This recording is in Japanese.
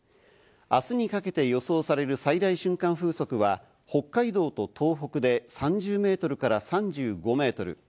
明日にかけて予想される最大瞬間風速は、北海道と東北で３０メートルから３５メートル。